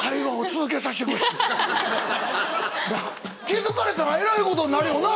気付かれたらえらいことになるよな？